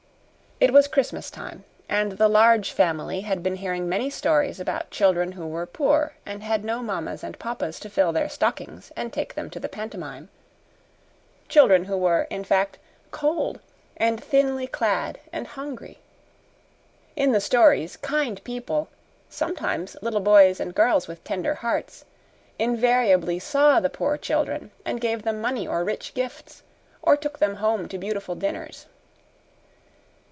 It was Christmas time, and the Large Family had been hearing many stories about children who were poor and had no mammas and papas to fill their stockings and take them to the pantomime children who were, in fact, cold and thinly clad and hungry. In the stories, kind people sometimes little boys and girls with tender hearts invariably saw the poor children and gave them money or rich gifts, or took them home to beautiful dinners.